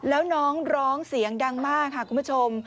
แล้วน้องร้องเสียงดังมากค่ะคุณผู้ชม